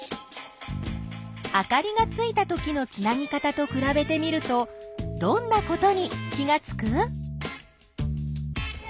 あかりがついたときのつなぎ方とくらべてみるとどんなことに気がつく？